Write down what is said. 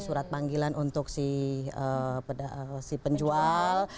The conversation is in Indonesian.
surat panggilan untuk si penjual